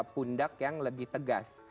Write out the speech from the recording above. pundak yang lebih tegas